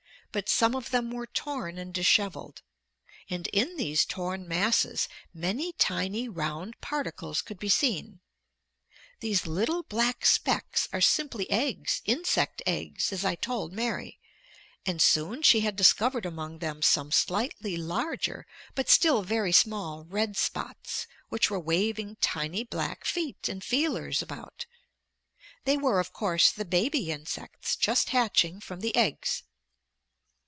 But some of them were torn and dishevelled. And in these torn masses many tiny round particles could be seen. These little black specks are simply eggs, insect eggs, as I told Mary, and soon she had discovered among them some slightly larger but still very small red spots which were waving tiny black feet and feelers about. They were of course the baby insects just hatching from the eggs.